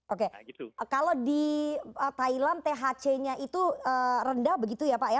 oke kalau di thailand thc nya itu rendah begitu ya pak ya